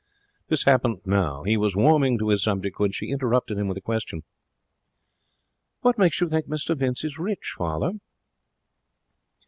This happened now. He was warming to his subject when she interrupted him with a question. 'What makes you think Mr Vince is rich, father?'